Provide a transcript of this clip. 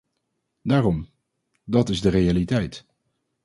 Daarom, dat is de realiteit.